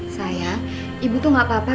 saya ibu tuh gak apa apa